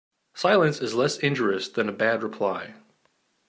Silence is less injurious than a bad reply.